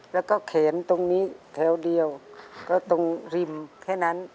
แล้วก็แขนตรงนี้แถวเดียวก็ตรงริมแค่นั้น